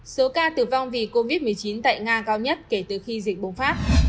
số ca tử vong vì covid một mươi chín tại nga cao nhất kể từ khi dịch bùng phát